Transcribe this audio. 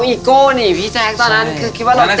แล้วอีโก้ไหนพี่แจ๊คตอนนั้นคือคิดว่าเราจริงอะ